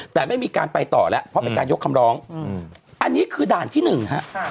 แต่ไม่มีการไปต่อแล้วเพราะเป็นการยกคำร้องอันนี้คือด่านที่หนึ่งฮะ